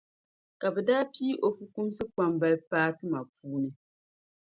Ka bi daa pii o fukumsi kpambali paa tima puuni.